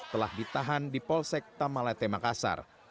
telah ditahan di polsek tamalate makassar